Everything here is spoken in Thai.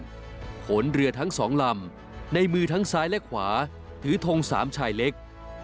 ขนเรือทั้งสองลำในมือทั้งซ้ายและขวาถือทงสามชายเล็ก